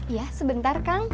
iya sebentar kang